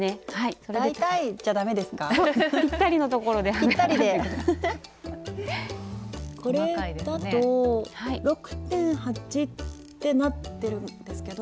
これだと６．８ってなってるんですけど。